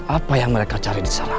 apa yang mereka cari disana